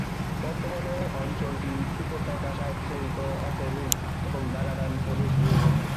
বর্তমানে অঞ্চলটি চুকোটকা স্বায়ত্বশাসিত ওকরুগ এবং মাগাদান প্রদেশ নিয়ে গঠিত।